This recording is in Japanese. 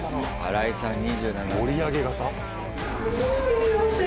盛り上げ型？